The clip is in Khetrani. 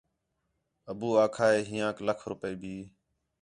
ابو آکھا ہِے ہِیانک لاکھ روپے بھی